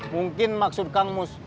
mungkin maksud kang mus